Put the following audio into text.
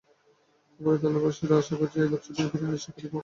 উপরিতলবাসীরা আশা করিয়াছিল এবার ছুটির পরে নিশ্চয়ই কালীপদ এ মেসে আর আসিবে না।